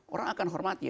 orang akan hormati